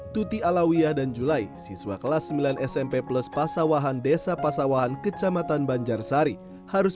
tuti alawiyah dan julai siswa kelas sembilan smp plus pasawahan desa pasawahan kecamatan banjarsari harus